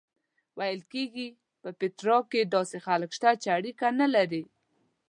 ویل کېږي په پیترا کې داسې خلک شته چې اړیکه نه لري.